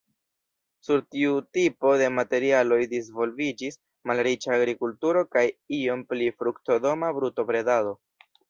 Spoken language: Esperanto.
Sur tiu tipo de materialoj disvolviĝis malriĉa agrikulturo kaj iom pli fruktodona brutobredado.